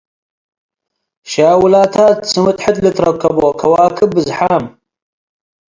ሻውላታት፤ ስምጥ ሕድ ለልትረከቦ ከዋክብ ብዝሓም ።